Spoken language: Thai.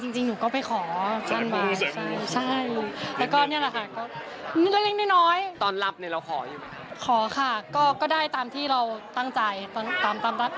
จริงหนูก็ไปขอคันวัด